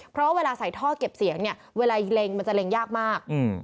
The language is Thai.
เพราะว่าเวลาใส่ท่อเก็บเสียงเนี่ยเวลาเล็งมันจะเล็งยากมาก